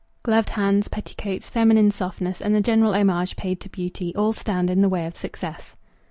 Gloved hands, petticoats, feminine softness, and the general homage paid to beauty, all stand in the way of success.